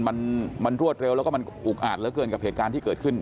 มันมันรวดเร็วแล้วก็มันอุกอาจเหลือเกินกับเหตุการณ์ที่เกิดขึ้น